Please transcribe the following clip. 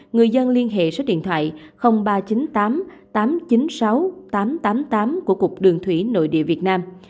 người dân liên hệ số điện thoại ba trăm chín mươi tám tám trăm chín mươi sáu tám trăm tám mươi tám của cục đường thủy nội địa việt nam